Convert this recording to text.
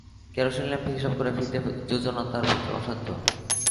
Kerosene ল্যাম্পে হিসাব করে ফিতে যোজনা তার পক্ষে অসাধ্য।